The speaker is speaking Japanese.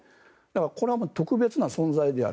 これはもう特別な存在である。